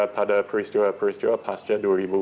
pada peristiwa peristiwa pasca